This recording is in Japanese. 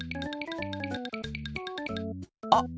あっ！